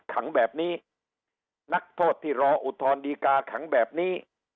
ขังแบบนี้นักโทษที่รออุทธรณดีกาขังแบบนี้